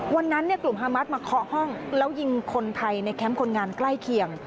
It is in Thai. วันนั้นกลุ่มฮามัสมาเคาะห้องแล้วยิงคนไทยในแคมป์คนงานใกล้เคียง